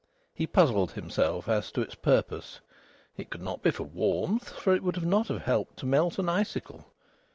He puzzled himself as to its purpose. It could not be for warmth, for it would not have helped to melt an icicle.